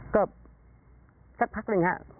ก็สักพักหนึ่งค่ะ